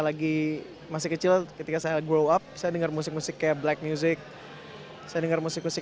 lagi masih kecil ketika saya grow up saya dengar musik musik kayak black music saya dengar musik musik